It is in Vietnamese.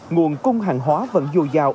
nguồn cung hàng hóa vẫn vô dạo